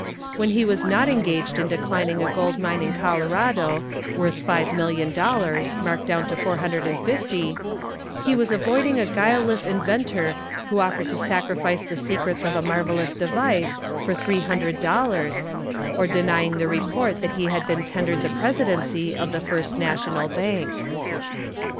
When he was not engaged in declining a gold mine in Colorado, worth five million dollars, marked down to four hundred and fifty, he was avoiding a guileless inventor who offered to sacrifice the secrets of a marvelous device for three hundred dollars, or denying the report that he had been tendered the presidency of the First National Bank.